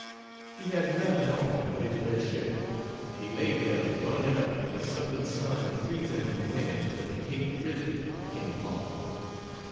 ] He had nothing on but his wet shirt, and he lay there burning up with a southern sun and freezing in the wind till the Kate Frisbee came along.